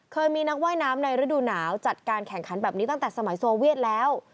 เคยมีนักว่ายน้ำในฤดูหนาวจัดการแข่งขันแบบนี้ตั้งแต่สมัยโซเวียตแล้ว